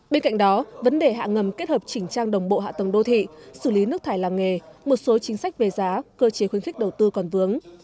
bên cạnh đó vấn đề hạ ngầm kết hợp chỉnh trang đồng bộ hạ tầng đô thị xử lý nước thải làng nghề một số chính sách về giá cơ chế khuyến khích đầu tư còn vướng